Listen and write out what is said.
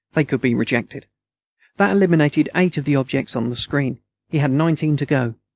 They could be rejected. That eliminated eight of the objects on the screen. He had nineteen to go.